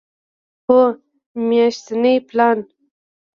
هو، میاشتنی پلان